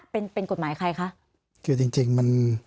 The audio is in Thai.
เป็นกฎหมายใครคะ